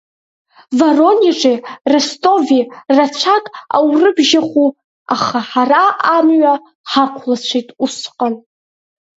Воронежи Ростови рацәак аурыбжьаху, аха ҳара амҩа ҳақәхацәеит усҟан.